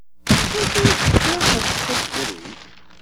D acu i teččiḍ d tasegrit?